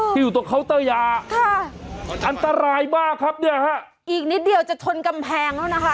อยู่ตรงเคาน์เตอร์ยาค่ะอันตรายมากครับเนี่ยฮะอีกนิดเดียวจะชนกำแพงแล้วนะคะ